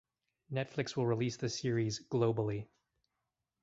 Netflix will release the series globally.